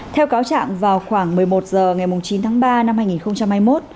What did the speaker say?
theo cáo trạng vào khoảng một mươi một h ngày chín tháng ba năm hai nghìn hai mươi một